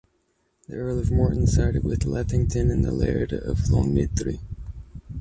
The Earl of Morton sided with Lethington and the Laird of Longniddry.